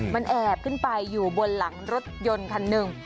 มันแอบขึ้นไปอยู่บนหลังรถยนต์คันหนึ่ง